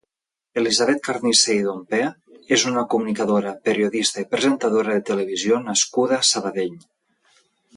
Elisabet Carnicé i Domper és una comunicadora, periodista i presentadora de televisió nascuda a Sabadell.